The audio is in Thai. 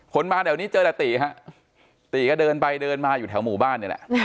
คนมาแถวนี้เจอแต่ตีฮะตีก็เดินไปเดินมาอยู่แถวหมู่บ้านนี่แหละ